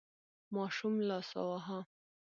ماشوم لاس وواهه.